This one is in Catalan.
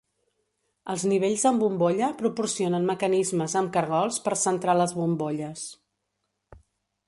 Els nivells amb bombolla proporcionen mecanismes amb cargols per centrar les bombolles.